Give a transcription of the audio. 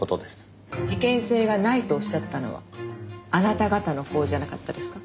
事件性がないとおっしゃったのはあなた方のほうじゃなかったですか？